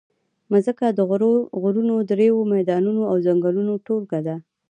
مځکه د غرونو، دریو، میدانونو او ځنګلونو ټولګه ده.